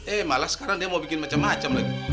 ehe malah sekarang dia mau bikin macem macem lagi